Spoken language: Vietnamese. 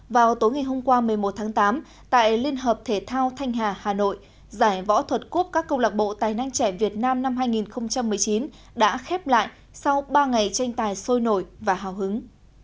vào tối ngày hôm qua một mươi một tháng tám tại liên hợp thể thao thanh hà hà nội giải võ thuật quốc các công lạc bộ tài năng trẻ việt nam năm hai nghìn một mươi chín đã khép lại sau ba ngày tranh tài sôi nổi và hào hứng